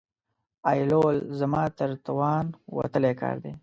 ایېلول زما تر توان وتلی کار دی.